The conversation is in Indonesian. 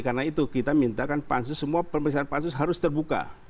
karena itu kita minta kan pansus semua pemeriksaan pansus harus terbuka